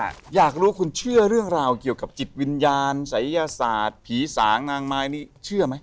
อยากรู้คุณเชื่อเรื่องราวเกี่ยวกับจิตวิญญาณศัยยศาสตร์ผีสางนางไม้นี่เชื่อไหม